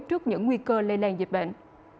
trước những nguy cơ lây lan dịch bệnh